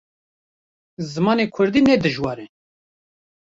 Zimanê Kurdî ne dijwar e.